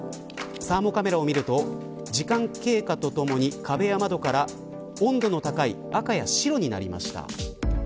サーモカメラを見ると時間経過とともに壁や窓から温度の高い赤や白になりました。